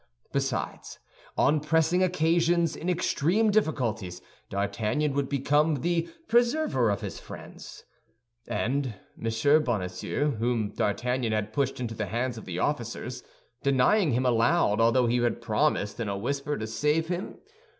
Besides, on pressing occasions, in extreme difficulties, D'Artagnan would become the preserver of his friends. And M. Bonacieux, whom D'Artagnan had pushed into the hands of the officers, denying him aloud although he had promised in a whisper to save him?